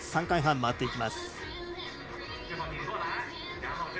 ３回半、回っていきます。